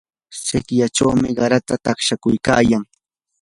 sikyachaw qaratsata taqshakuykayan.